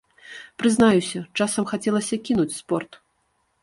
Прызнаюся, часам хацелася кінуць спорт.